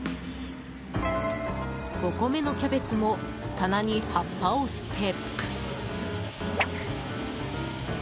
５個目のキャベツも棚に葉っぱを捨て。